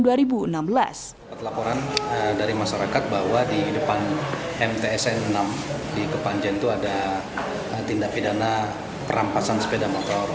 dapat laporan dari masyarakat bahwa di depan mtsn enam di kepanjen itu ada tindak pidana perampasan sepeda motor